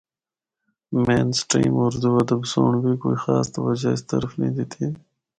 مین سٹریم اُردو ادب سنڑ بھی کوئی خاص توجہ اس طرف نیں دِتی۔